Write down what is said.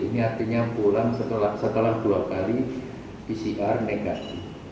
ini artinya pulang setelah dua kali pcr negatif